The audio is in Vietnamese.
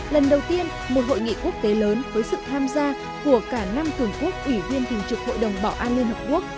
lần đầu tiên một hội nghị quốc tế lớn với sự tham gia của cả năm cường quốc ủy viên tình trực hội đồng bảo an liên hợp quốc